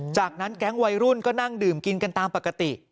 จากนั้นแก๊งวัยรุ่นก็นั่งดื่มกินกันตามปกติ